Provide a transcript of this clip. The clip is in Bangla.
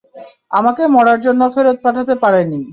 আমাকে মরার জন্য ফেরত পাঠাতে পারেনি।